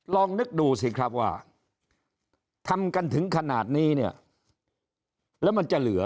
ลองนึกดูสิครับว่าทำกันถึงขนาดนี้เนี่ยแล้วมันจะเหลือ